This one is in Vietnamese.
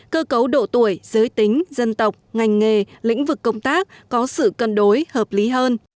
cơ cấu độ tuổi giới tính dân tộc ngành nghề lĩnh vực công tác có sự cân đối hợp lý hơn